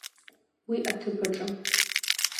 Уи аҭыԥ аҿы.